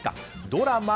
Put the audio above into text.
ドラマ